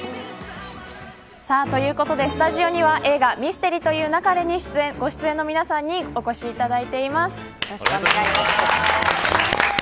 ということで、スタジオには映画ミステリと言う勿れにご出演の皆さんにお越しいただいています。